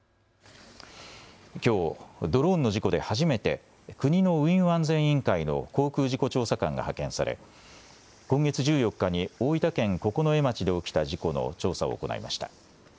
きょうドローンの事故で初めて国の運輸安全委員会の航空事故調査官が派遣され今月１４日に大分県九重町で起きた事故の調査を行いました。